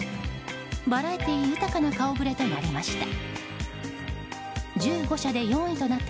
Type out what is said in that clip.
バラエティー豊かな顔ぶれとなりました。